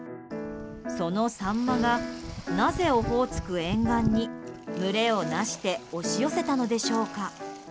そのサンマがなぜオホーツク沿岸に群れを成して押し寄せたのでしょうか。